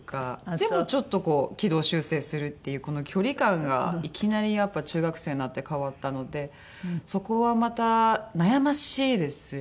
でもちょっとこう軌道修正するっていうこの距離感がいきなりやっぱ中学生になって変わったのでそこはまた悩ましいですよね。